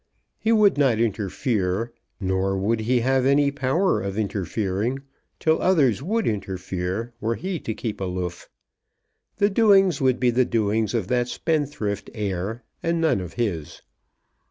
He would not interfere, nor would he have any power of interfering, till others would interfere were he to keep aloof. The doings would be the doings of that spendthrift heir, and none of his.